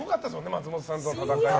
松本さんとの戦い。